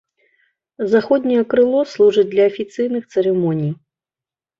Заходняе крыло служыць для афіцыйных цырымоній.